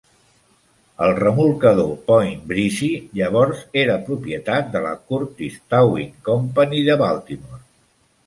El remolcador "Point Breeze" llavors era propietat de la Curtis Towing Company de Baltimore.